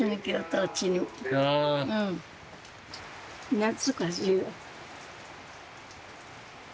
懐かしいよ。